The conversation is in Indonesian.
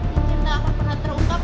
mungkin tak akan pernah terungkap